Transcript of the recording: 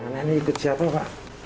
nenek ini ikut siapa pak